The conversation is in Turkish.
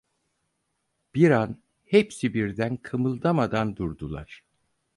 Bir an hepsi birden kımıldamadan durdular.